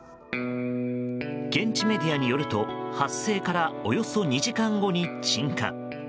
現地メディアによると発生からおよそ２時間後に鎮火。